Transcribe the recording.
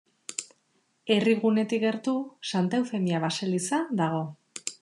Herrigunetik gertu, Santa Eufemia baseliza dago.